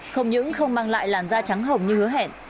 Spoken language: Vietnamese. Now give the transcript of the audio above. không những không mang lại làn da trắng hồng như hứa hẹn